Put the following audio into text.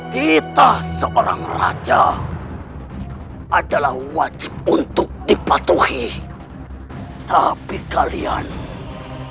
kita seorang raja adalah wajib untuk dipatuhi tapi kalian malah berani untuk menangkan saya